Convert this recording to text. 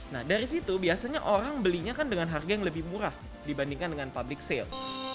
nah dari situ biasanya orang belinya kan dengan harga yang lebih murah dibandingkan dengan public sale